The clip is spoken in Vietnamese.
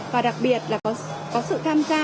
và đặc biệt là có sự tham gia